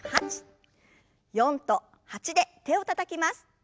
４と８で手をたたきます。